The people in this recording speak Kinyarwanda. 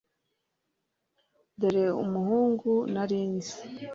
Dore Umuhungu Nari Nzi"